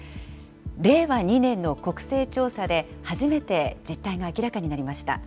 令和２年の国勢調査で初めて実態が明らかになりました。